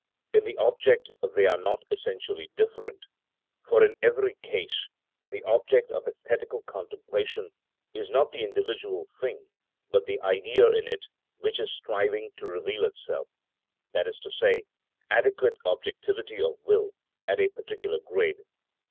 In the object they are not essentially different, for in every case the object of æsthetical contemplation is not the individual thing, but the Idea in it which is striving to reveal itself; that is to say, adequate objectivity of will at a particular grade.